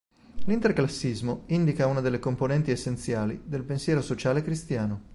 L'Interclassismo indica una delle componenti essenziali del pensiero sociale cristiano.